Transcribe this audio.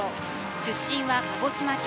出身は鹿児島県。